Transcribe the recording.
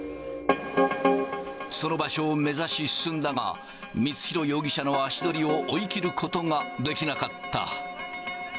その場所を目指し進んだが、光弘容疑者の足取りを追いきることができなかった。